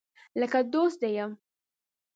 لکه دوست دي یم